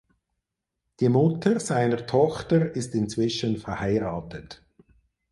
Die Mutter seiner Tochter ist inzwischen verheiratet.